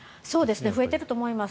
増えてると思います。